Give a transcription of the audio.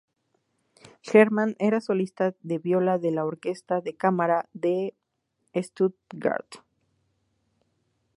Hermann era solista de viola de la Orquesta de Cámara de Stuttgart.